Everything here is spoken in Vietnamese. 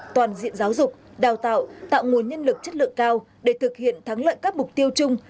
toàn diện giáo dục đào tạo tạo nguồn nhân lực chất lượng cao để thực hiện thắng lợi các mục tiêu chung